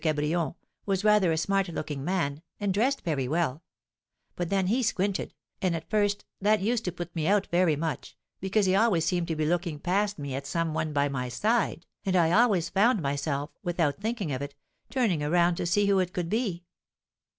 Cabrion, was rather a smart looking man, and dressed very well; but then he squinted, and at first that used to put me out very much, because he always seemed to be looking past me at some one by my side, and I always found myself, without thinking of it, turning around to see who it could be."